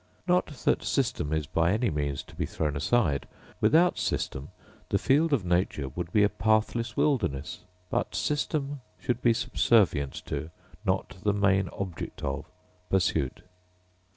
Not that system is by any means to be thrown aside; without system the field of nature would be a pathless wilderness: but system should be subservient to, not the main object of, pursuit.